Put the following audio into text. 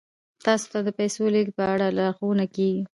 تاسو ته د پیسو د لیږد په اړه لارښوونه کیږي.